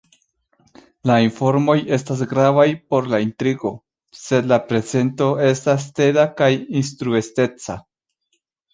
La informoj estas gravaj por la intrigo, sed la prezento estas teda kaj instruisteca.